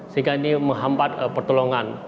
sehingga ini menghambat pertolongan